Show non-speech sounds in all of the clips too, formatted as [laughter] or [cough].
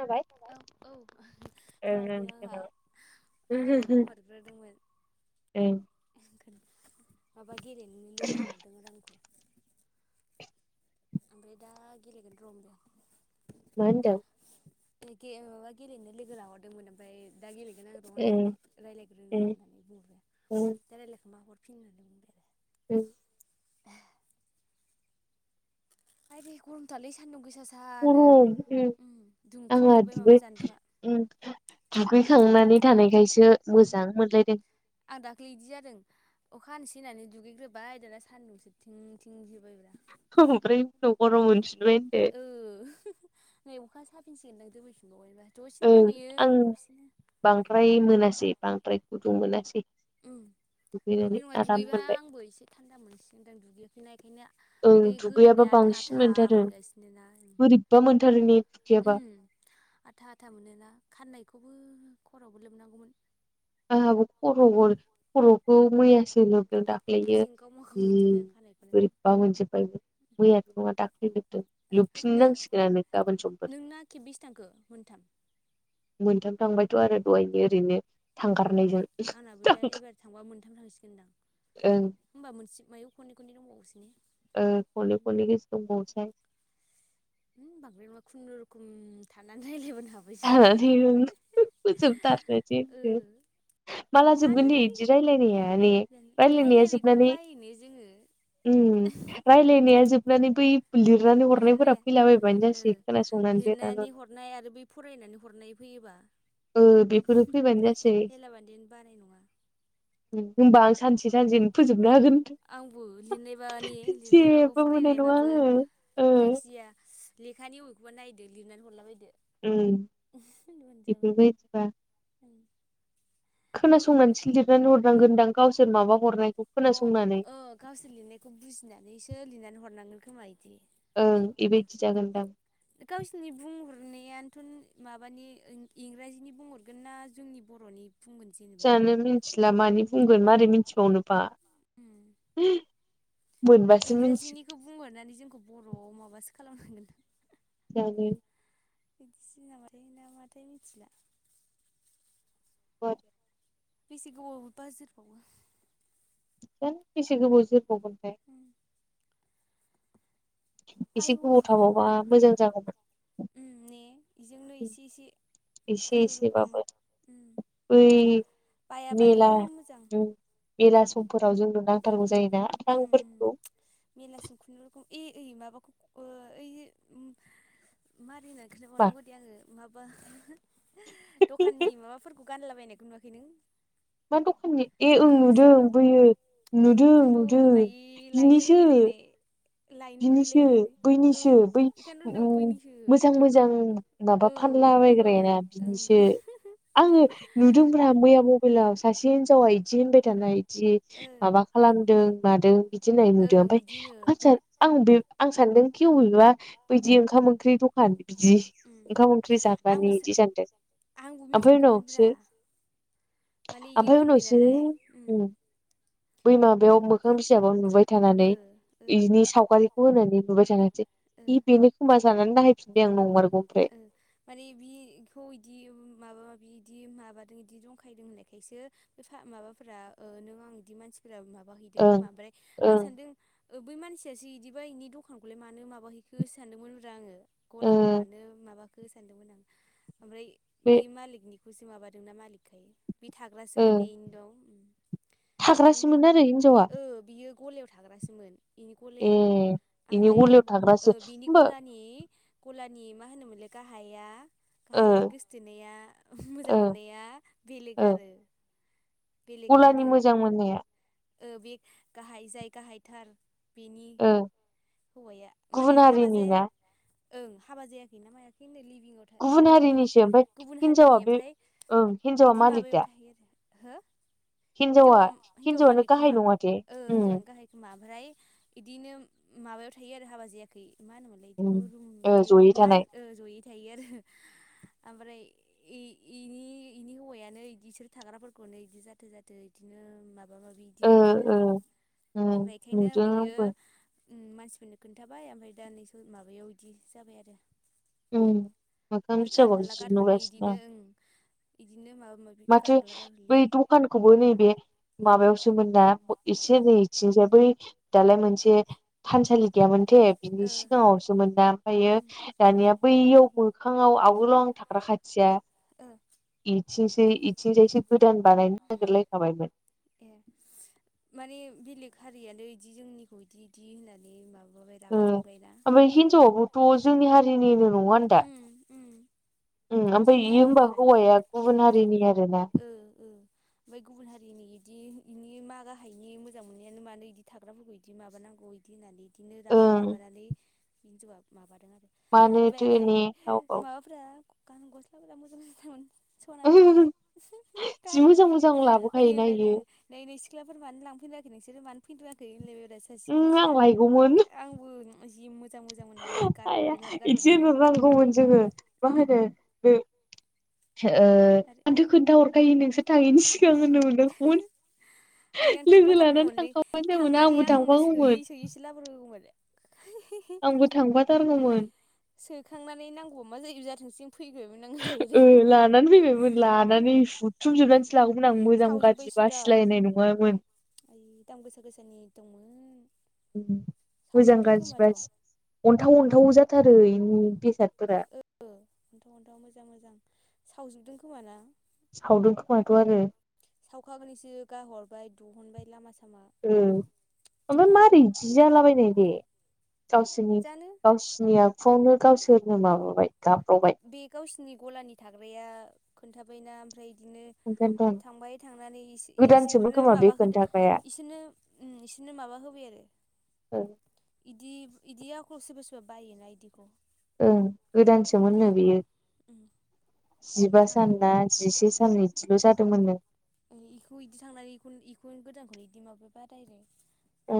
खोनाबाय औ औ ओं बावदों ओं आंहा। खोनाबाय आं माबा हरग्रोदोंमोन। ए माबा गेलेोनो लोगो नहरदों आरो आंखौ। ओमफ्राय दा गेलेगोन रमजो मा होनदों माबा गेलेनो लोगो लाहरदोंमोन ओमफफ्राय दा गेलेगोन आं। ज' ओं होननानै रायज्लायग्रो आ ओं होननानै बुंहरबाय ओं ओं दा रायजलायख मा हरफिन होननानै बुंबाय आरो। [unintelligible] [unintelligible] आइे गरमथालै सान्दुं गोसा सानो ओम आंहा दुंखावजोबबाय दुगै माबा जानबुङा। दुगैखांनानै थानायखायसो। मोजां मोनलायदों आं दाख्लै इदि जादों। अख हानोसेै होननानै दुगैग्रोबाय दाना सान्दुंसो थिं थिं जोबायब्रा। ओमफ्राय उनाव गरम मोनफिनबाय होनदों। ओ नै अखा साफिनसिगोनदां दहैफिनबावबायबा दसे होनदो ओं दोमहैयो आं दसेनो। बांद्राय मोनासै बांद्राय गुदुं मोनासै। दुगैनानै बांद्राय नङा आराम दुगैबा मोनबाय आंबो एसे थान्दा मोनसिगोनदां दुगैख बिा बेखायनो ओं ब दुगैयाबा गोलोमनाया आथा आथा मोनगासिनो ना बा उम मोनथारनिखैयाबा। आथा आथा मोनोना खाननायखौबो खरावबो लोबनांगौमोन। आंहाबो खर'बो खर'खौ मैयासो लोबदों दाख्लैयो। जेंगाव मागाव मोनजोब्बाय आं खानायखौनो बोरैबा मोनजोबबाय मैयाथ' नङा दाख्लैजोबदों ओं लोबफिन नांसिगोनानो गाबोन समफोर। खेब्बिस थाखांखो मोनथाम मोनथाम थांबायथ' आरो दहायनि ओरैनो। ओं थांगारनायजों आंनाबो दा एबार थांबा मोनथाम थांसिगोनदां ओं। होमबा मोनसे मायाव खनै खनै दंबावोसो ने खन खनै गोसो दंबावसाय। बांद्राय नङा खुनुरुखुम थानानै रायज्लायबोनो हाबाय जोंनो। गजोब दाराथ माला मानो जोबगोन दे रायलाय बिदि रायलायनाया ने जानो रायलायनाया रायलायनायखौनो जोबनानै। बायोनो जोङो उ रायलायनाया जोबनानै बै लिरनानै हरनायफोरा लिरनाया फैलाबायबानो ओ जासै खोनासंनानै लिरनानै। हरनाय आरो बै फरायनानै हरनाय फैयोबा। बेफोरो फैबानो जासै हेला बान्देनो बानाय नङा होमबा आं सानसे सानसेनो फोजोबना होगोन आंबो लिरनायबाने लिरनायबाबो जेबो मोननाय नङा फरायनायबाबो आङो ओ जायखिजाया लेखानि अबेखौबा नायदो लिरनानै हरला बायदो उम मोन जाबाय बेफोरबायदिबा खोनासंनानैसो लिरनानै हरनांगोन दां गावसोर माबा हरनायखौ खोनासंनानै अ गावसोर लिरनायखौ बुजिनानैसो लिरनानै हरनांगोन खोमा बिदि ओं बेबायदि जागोनदां गावसोरनि बुंहरनायानोथ' माबानि इंराजिनि बुंहर न ना जोंनि बर'नि जेनेबा जानो मिथिला मानि बुंगोन मारै मिथिबावनोबा उम मोनबासो मिथिगोन इंराजिनिखौ बुंहरनानै जोंखौ बर'आव माबासो खालामनांगोन जागोन बायदिसिना माबायो नामाथाय मिथिला [inaudible] बेसे गोबावबो बाजार हमो बेसे गोबाव जोरबावगोनथाय एसे आयौ गोबाव थाबावबा मोजां जागौमोन उम ने बेजोंनो इसे इसे एसे खुनुरुखुम एसेबाबो बै बायाबानो मोजां ला समफोराव जोंनो नांथारगौ जायो ना उम रांफोर मेलासिम खुुनुरुखुम ए इ माबाखौ ओइ मारै होनना खोनथा मा हरनांगो दे आङो माबा दखाननि माबा फोरखौ गानलाबायनायखौ नुवाखै नों मा दखाननि ए ओं मोखां नुदों बिजाबाव बोयो नुदों नुदों बेखौनोथ' नायै लायनो बिनिसो लुगैलायनाय लायनो बिनिसो लुगैलायनाय औ बैनिसो बै बेखौनोथ' होनदों बैनिसो मोजां मोजां माबा औ फानला बेखौनोथ' बायग्राया ना ओं बिनिसो आङो नुदोंब्रा मैया आगोलाव सासे हिनजावा इदि होनबाय थानाय जि ओ माबा खालामदों मादों बिदि होननाय नुदों ओं बिदिनो ओमफ्राय आ आं आं सानदों कि अबेबा ब बिदि ओंखाम ओंख्रि दखान बिदि उम ओंखाम ओंख्रि आंबो जाबनानै बिदि जानदों आंबो मिथियाखैमोन ब्रा माने बियो ओमफ्राय होनबाय उनावसो नालाय उम बै माबायाव मोखां बिजाबाव नुबाय थानानै बिनि सावगारिखौ होनानै नुबाय थानोसै इ बेनो खोमा जानानै नायैफिनबाय आं नंमारगौ ओमफ्राय ओ माने बिखौ इदि माबा माबि बिदि माबादों बिदि जंखायदों होननायखायसो बे माबाफोरा नों आं इदि मानसि माबा हैदों खोमा ओं ओमफ्राय आं ओं सानदों बै मानसियासो बिदिबा बिनि दखानखौलाय मा माबाहैखौ हो सानदोंमोन आरो आङो ओ गलाखौ मानो माबाखौ सानदोंमोन आं ओमफ्राय बे मालिकनिखौसो माबादोंना मालिकखायो बे ओ थाग्रासोम ने इनि न'वाव आं थाग्रासोमोन आरो हिनजावा औ बियो गलायाव थाग्रासोमोन बेनि ए गलायाव इनि ओमफ्राय गलायाव ओ थाग्रासो बिनि होमबा गलानि गलानि मा होनोमोनलाय गाहाया ओ गाहायनि गोसोथोननाया मोजां ओ मोननाया ओ बेलेग आरो गलानि बेलेगनिनो मोजां मोननाया बे गाहाय जाय गाहायथार बेनि ओ हौवाया माने गुबुन हाबा हारिनि जाया ना ओ हाबा जायाखैना मायाखैनो लिभिंआव गुबुन माबायाव बिदियाव हारिनिसो ओमफ्राय गुबुन हिनजावा हारिनि बे ओमफ्राय ओं हिनजावा बिदि मालिक माबायाव दा थायो आरो हो हिनजावा हिनजावा हिनजावानो मालिक गाहाय खोमा नङा दे उम हिनजावनो गाहाय मा ओमफ्राय बिदिनो माबायाव थायो आरो हाबा जायाखै मा होनोमोन उम इदिखौ रुम ओ बिदि जयै मा थानाय होन जयै थायो आरो ओमफ्राय इ इ इनि इनि हौवायानो बिदिसोरो थाग्रा गननो इदि जाथो जाथों इदिनो माबा माबि बिदि ओ होनो ओ आरो ओमफ्राय उम बेखायनो नुदों बियो आंबो उम मानसिफोरनो खोन्थाबाय ओमफ्राय दा नै माबायाव बिदि जाबाय आरो। उम मोखां ओफ्राय बिजाबाव गारहरला जि गारहरलि नुगासिनो आं बिदिनो ओं इदिनो माबा माथो गारहरला बै गारहरलि दखानखौबो नैबे माबायावसोमोन ना एसे नै ए बै दालाय मोनसे थानसालि गैयामोन। दे बिनि ओ सिगाङावसोमोना ओमफ्रायो उम दानिया बैयाव मोखाङाव आवोलाव थाग्रा खाथिया ओ इथिं इथिं जायसे गोदान बानायनो नागिरलायखाबायमोन। ए माने बेलेग हारियानो बिदि जोंनिखौ बिदि इदि होननानै माबाबाय रागा जोंबायना। हिनजावआबोथ' जोंनि हारिनिनो नङा होनदा उम उम ओम ओमफ्राय जोंनि इयो होमबा हारिनिफ्राय हौवाया जोबोर गुबुन हारिनि आरोना ओमफाय गुबुन हारिनि बिदि इनि मा गाहायनि मोजां मोननायानो मानो बिदि थाग्राफोरखो बिदि माबानांगौ बिदि होननानै बिदिनो रागा ओं माबानानै हिनजावा माबादों आरो ओ मानोथो ने गाव आयइ गाव माबाफोरा गान गस्लाफोरा मोजां मोजां थारमोन सनाफोरा जि गारला मोजां बेनो मोजां ओरै लाबोखायोना होनलायदों इयो नै नै सिख्लाफोर मानो लांफैदेरआाखै नोंसोरो मानो फैथ'आाखै होनलाय बेा सासे ओम आं मानसिया आंबो जि मोजां मोजां मोननाय आ गारहरदों आरो इदि गारहरदों होन नांगौमोन जोङो मा होनो ओ आरो आंथ' खोनथ हरखायो नोंसो थाङैनि सिगां होननो मोनदोंखौमोन। आयैआं थांफाथारगौमोनलै थांनानै जागौमोन आंबो आं थांफागौमोन सोयै सोयै ला मोग ग मल [unintelligible] आंबो थांफाथारगौमोन। सोखांनानै नांगौ मा जायो जाथोंसै फैगोमोन आङो लानानै फैबायमोन लानानै थुमजोबनानैसो लागौमोन आं मोजां गाज्रि बासिलायनाय नङामोन। ओइ दाम गोसा गोसानि दंमोन। मोजां सावजोबदों गान्रिब खोमाथ' ओ अनथाव अनथाव जाथारो इनि बेसादफोरा अन्थाव अनथाव मोजां मोजां सावजोबदों खोमा ना? सावदों खोमाथ' आरो। सावख गैसो गाहरबाय दिहुनबाय लामा सामा ओमफ्राय मारोरै जि जालाबायनाय बे गावसोरनि जानो गावसिनि आखुआवनो गावसोरनो माबाबाय गाब्र'बाय बे गावसिोरनि गलानि थाग्राया खोन्थाबायना ओमफ्राय बिदिनो थांगोनदां थांबाय थांनानै गोदानसोमोन इसोरनो खोमा बे माबा होदो खोन्थाग्राया इसोरनो बिसोरनो माबा होबाय आरो। ओ बिदि बिदि आखौ सोरबा सोरबा बायोना बिदिखौ ओं गोदानसोमोननो बियो उम जिबा थांग्रो सान ना जिसे सान बिदिल' जादोंमोननो। खौ बिदि थांनानैखौ इखौनो गोदानखौनो बिदि माबाय बा दायरेक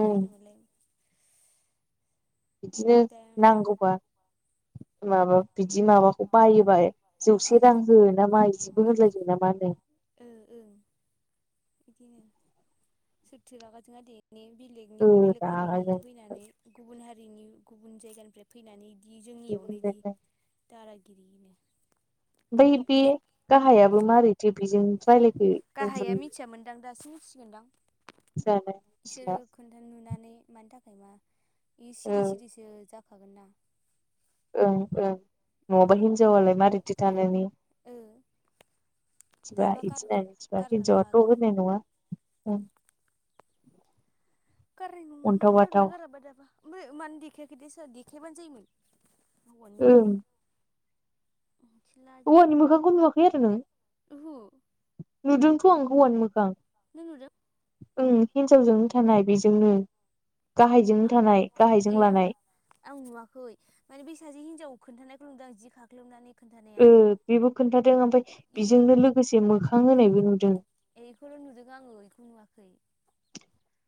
मा होनोमोनलाय बिदिनो इदा उम नांगौबा माबा बिदि माबाखौ बायोबा उम जौसे रां हो नामा जिबो होनलायजो नामा नों ओ ओं बिदिनो सोरथो लागाजों आ दे बेलेगनि ओ बेलेग रागाजों हारिनिदि फैनानै गुबुन हारिनि गुबुन जायगानिफ्राय फैनानै बिदि जोंनियावनो बिदि ओमफ्राय दादागिरिनो मफ्राय बे गाहायाबो मारैथो बेजों रायलायखो गाहाया गुबुन मिथियामोनदां दासिम मिथिगोनदां जार [unintelligible] खोन्थानो नुनानै मानि थाखाय मा बे सिरि ओं सिरिसो जाखागोन ना। ओं ओं न'ङाबा हिनजावालाय मारैदि थनि ओ सिब दाबा गार सिब गारगोन ना जथ' मागोन न नआ [unintelligible] औ। गारै गारगोन ना गाराबा दाबा ओमफ्राय मानो देखायाखै दे सोरआ देखायबानो जायोमोन। हौवानि ओं बिखांखौ मि सला हौवानि जिथनि मोखांखौ नुवाखै आरो नों [unintelligible] नुदोंथ' हौवानि मोखां। नों नुदो? हिन्जावजोंनो थानाय बेजोंनो गाहायजोंनो थानाय गाहायजों ए आं लानाय। आं नुवाखै माने बै सासे हिनजाव खोन्थानायखौ नुदों आं जि खाख्लोबनानै खोन्थानाया बेबो खोन्थादों ओमफ्राय बेखौल' बेजोंनो लोगोसे मोखां होनायबो नुदों। एखौल' नुदों आङो इखौ नुवाखै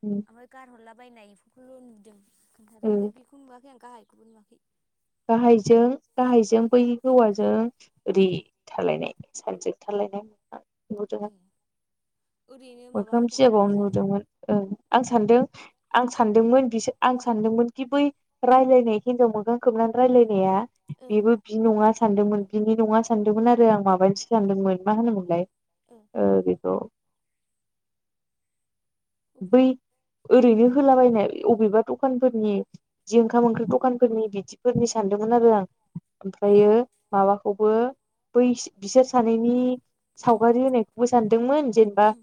उ [inaudible] ओमफाय गारहरलाबायनाय एमफोरखौल' नुदों। खोनन्थादों ओ बे बेखौ नुवाखै आं गाहायखौबो नुवाखै। गाहायजों गाहायजों बै हौवाजों ओरै उम थालायनाय साबजेक थालायनाय नुदों। ए ओरैनो माबा होदों खोमसि मा जबावनो होनोमोन नुदोंमोन आं सानदों। आं सानदोंमोन बिसोर आं सानदोंमोन। बिदि बै रायलायनाय हिनजाव मोगां खोबनानै रायलायनाया उम ओ बेबो बि नङा सानदोंमोन बिनि नङा सानदोंमोन आरो आं माबानिसो सानदोंमोन मा होनोमोनलाय ओ बेखौ अबेनि बै ओरैनो होलाबायनाय अबेबा दखानफोरनि जि ओंखाम ओंख्रि दखानफोरनि बिदि फोरनि सानदोंमोन आरो आं ए ओमफ्रायो माबाखौबो बै बिसोर सानैनि उम सावगारि होनायखौबो सानदोंमोन जेनेबा उम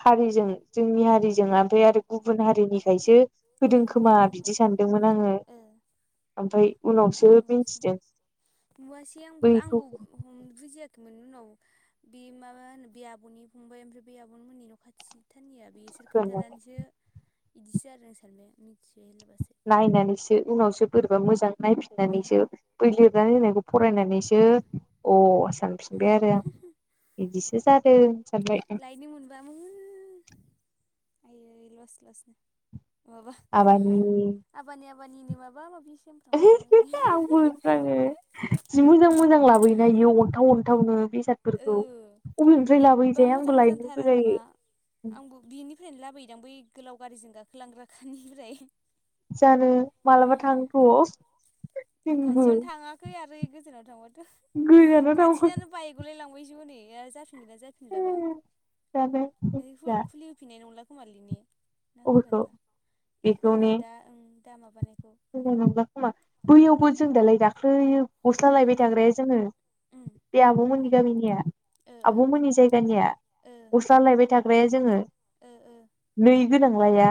हारिजों जोंनि हारिजों ओमफ्राय आरो गुबुन हारिनिखायसो होदों ओं खोमा बिदि होदों सानदों। ओ। ओमफ्राय आं उनावसो नुवासै मिथिदों नुवासै आंबो बैखौ आंबो हमनो बुजियाखैमोन उनाव बे माबा होनो बे आब'नि फंबाय ओमफ्राय बे आब'नि मोननि न' खाथि थानिया बेसोर खोन्थानानैसो बिदिसो आरो आं सारनाय मिथिबाय होनब्लाबासो नायनानैसो उनावसो बोरैबा मोजां उम नायफिननानैसो बै लिरनानै होननायखौ फरायनानैसो अ सानफि ओबाय आरो बिदिसो जादों सानबाय। गायनो मोनबामोन आयै लासै लासैनो माबा आानि [unintelligible] आबानि आबानिनि मााबा माबि सेमफ्राम मोनलाबायो आंबो होफाङो जि मोजां मोजां लाबोयोना इयो अन्थाव अनथावनो बेसाद बोरैबा आंबो मोजां लायनो मोजांथार आरो लुबैलायो मा आंबो बिनिफ्रायनो लाबोयोदां बै गोलाव गारिजों गाखोलांग्राखानिफ्राय जानो मालाबा थांथ' जोंबो। गैय आरोै गोजानाव थांबाथ' गोजानाव थांबा गलायलांबायसो हनै जाफिनगोन ना जाफिना दालाय मोनलाबा मिथिला खुलि होफिननाय नंला खोमालैने ना अबेखौ होगोनबा इखौ होनदां दा ओं दा माबानायखौ खा नंलाखोमा बैयावबो जों दालाय गाख्लोयो। गस्ला लायबाय थाग्राया जोङो उम बे आब'मोननि गामिनिया ओ ओ आबौमोननि जायगानिया ओ गस्ला लायबाय था ग्राया जोङो ओ ओ नै गोनांलाया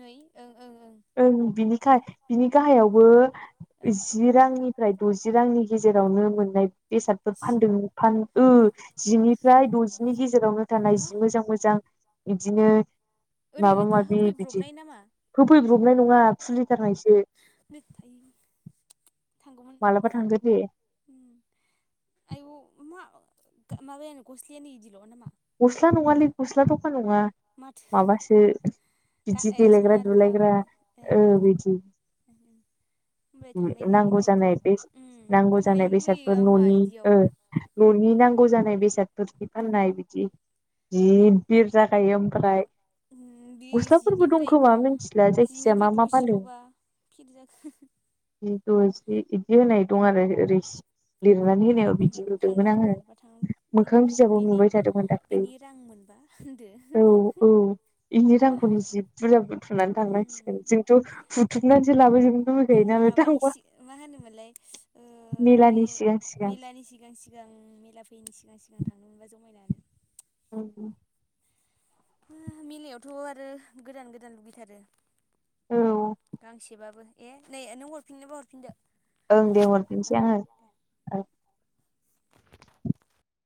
नै ओं ओं ओं ओं बिनिखाय बिनि गाहायावबो ओं जि रांनिफ्राय द'जि रांनि गेजेरावनो मोननाय बेसादफोर जि फानदोंमोन। फान जिनिफ्राय द'जिनि गेजेरावनो थानाय हा जि मोजां मोजां बिदिनो ओरैनो माबा था माबि बिदि होफैब्रबनाय नामा फैब्रबनाय नङा खुलिथारनायसो लिर थायो थांगौमोन। मालाबा थांगोन दे म आयौ मा माबानो गस्लायानो इनोल' नामा? गस्ला नङालै गस्ला दखा नङा माथो माबासो गा बिदि ए देलायग्रा सना रुफा दुलायग्रा ए ए बिदि ओमफ्राय थांनाय नांगौ जायोना जानाय इदियाव बे उम नांगौ थांनायनो जानाय लुगैयो बेसादफोर आंहा न'नि इदियाव न'नि नांगौ जानाय बेसादफोर ओ फाननाय बिदि ए जि बिर जाखायो ओमफ्राय बे गस्लाफोरबो जिनिफ्राय दंखोमा मिथिला जायखिजाया जिनिफ्राय मा मा फानदों दजिल'बा फिर जाखो दजि बिदि होनाय दं आरो लिरनानै बिदि लुदोंमोन थांगोन र' आङो मालाबा थांगोन बिनि मोखां फैसा बिजाबो बिनि नुबाय थादों। दाखै बेनि रां मोनबा होनदो औ औ इनि रांखौनो जि बुरजा बुथुमनानै थांनांसिगोन जोंथ' बुथुमनानैसो लाबो जों माबानि सि मा होनोमोनलाय बे मेलानि सिगां सिगां मेलानि सिगां सिगां सिगां मेला फैयैनि सिगां सिगां थांनो मोनबा जमायनानैनो उम मेलायावथ' आरो गोदान गोदान लुगैथारो। औ गांसेबाबो ए नै नों हरफिननोबा हरफिनदो। ओं दे हरफिनोसै ओं आङो। ओ